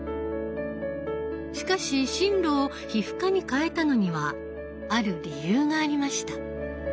しかし進路を皮膚科に変えたのにはある理由がありました。